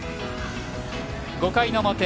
５回の表。